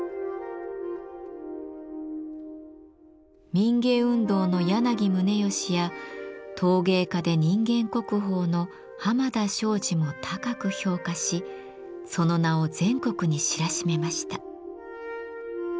民藝運動の柳宗悦や陶芸家で人間国宝の濱田庄司も高く評価しその名を全国に知らしめました。